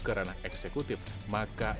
ke ranah eksekutif maka